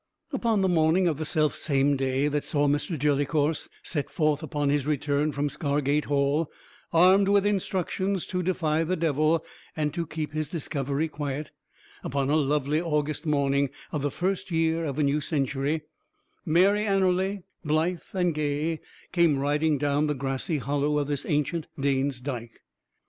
Upon the morning of the self same day that saw Mr. Jellicorse set forth upon his return from Scargate Hall, armed with instructions to defy the devil, and to keep his discovery quiet upon a lovely August morning of the first year of a new century, Mary Anerley, blithe and gay, came riding down the grassy hollow of this ancient Dane's Dike.